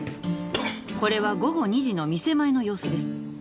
これは午後２時の店前の様子です